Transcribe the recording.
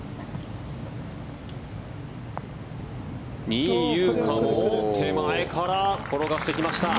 仁井優花の手前から転がしてきました。